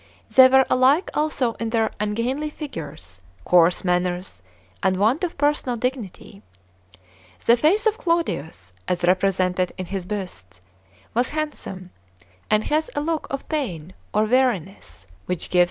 They were alike also in their ungainly figures, coarse manners, and want of personal dignity. The face of Claudius, as represented in his busts, was handsome, and has a look of pain or weariness, which gives it a certain interest.